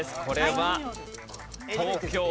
これは東京。